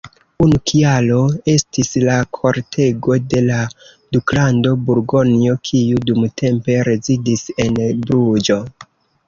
Unu kialo estis la kortego de la Duklando Burgonjo, kiu dumtempe rezidis en Bruĝo.